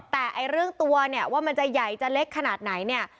แต่เรื่องตัวเนี่ยว่ามันจะใหญ่จะเล็กขนาดไหนเนี่ย